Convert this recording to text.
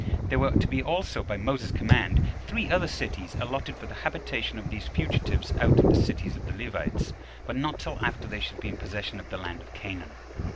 There were to be also, by Moses's command, three other cities allotted for the habitation of these fugitives out of the cities of the Levites, but not till after they should be in possession of the land of Canaan.